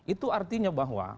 itu artinya bahwa